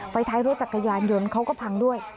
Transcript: ท้ายรถจักรยานยนต์เขาก็พังด้วย